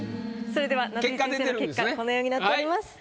それでは夏井先生の結果このようになっております。